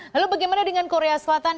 lalu bagaimana dengan korea selatan